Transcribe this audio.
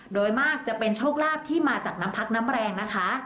โดยมากจะเป็นโชคลาภที่มาจากน้ำพักน้ำแรงนะคะ